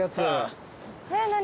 えっ何？